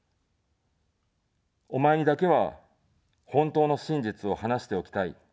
お前にだけは、本当の真実を話しておきたい。